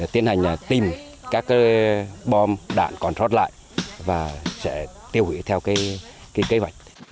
tiến hành tìm các bom đạn còn rót lại và sẽ tiêu hủy theo cái kế hoạch